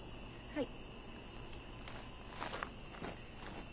はい。